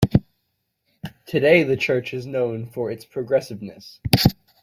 Today the church is known for its progressiveness.